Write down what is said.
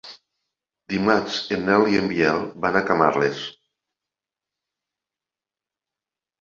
Dimarts en Nel i en Biel van a Camarles.